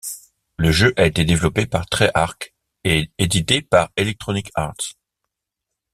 Le jeu a été développé par Treyarch et édité par Electronic Arts.